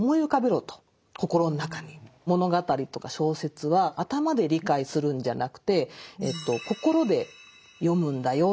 物語とか小説は頭で理解するんじゃなくて心で読むんだよ。